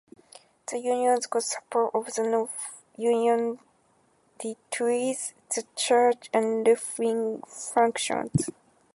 The unions got the support of the non-unionized retirees, the church and left-wing factions.